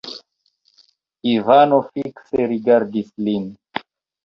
Ivano fikse rigardis lin.